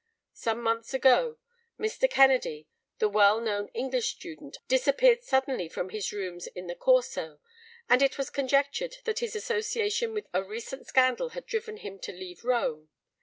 Some months ago Mr. Kennedy, the well known English student, disappeared suddenly from his rooms in the Corso, and it was conjectured that his association with a recent scandal had driven him to leave Rome.